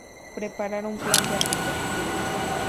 Preparar un plan de arquitectura.